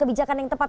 kebijakan yang tepat